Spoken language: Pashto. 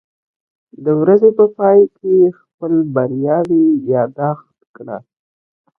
د ورځې په پای کې خپل بریاوې یاداښت کړه.